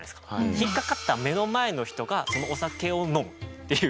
引っかかった目の前の人がそのお酒を飲むっていう。